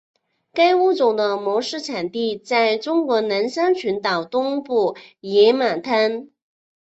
该物种的模式产地在中国南沙群岛东部野马滩。